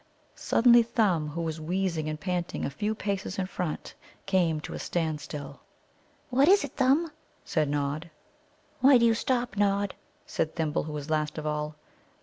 Suddenly, Thumb, who was wheezing and panting a few paces in front, came to a standstill. "What is it, Thumb?" said Nod. "Why do you stop, Nod?" said Thimble, who was last of all.